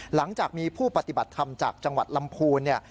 หลังจากมีผู้ปฏิบัติธรรมจากจังหวัดลำพูนเนี่ย